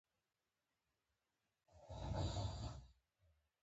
دا خبره دې سمه ده.